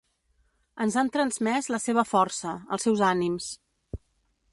Ens han transmès la seva força, els seus ànims.